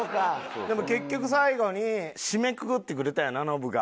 でも結局最後に締めくくってくれたよなノブが。